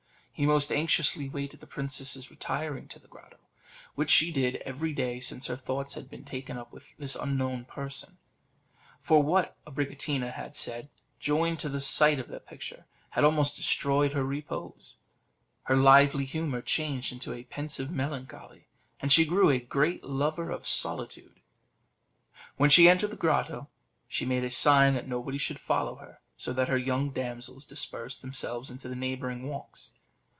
He most anxiously waited the princess's retiring to the grotto, which she did every day since her thoughts had been taken up with this unknown person; for what Abricotina had said, joined to the sight of the picture, had almost destroyed her repose: her lively humour changed into a pensive melancholy, and she grew a great lover of solitude. When she entered the grotto, she made a sign that nobody should follow her, so that her young damsels dispersed themselves into the neighbouring walks.